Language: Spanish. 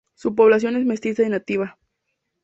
Su población es mestiza y nativa.